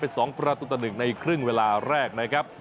เป็น๒ประตูต่อ๑ในครึ่งเวลาแรกนะครับ